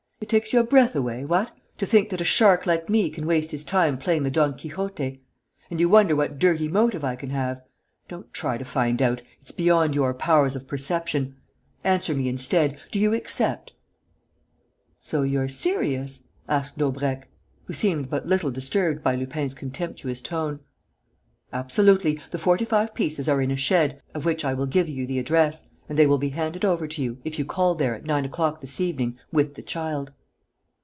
It takes your breath away, what, to think that a shark like me can waste his time playing the Don Quixote? And you wonder what dirty motive I can have? Don't try to find out: it's beyond your powers of perception. Answer me, instead: do you accept?" "So you're serious?" asked Daubrecq, who seemed but little disturbed by Lupin's contemptuous tone. "Absolutely. The forty five pieces are in a shed, of which I will give you the address, and they will be handed over to you, if you call there, at nine o'clock this evening, with the child."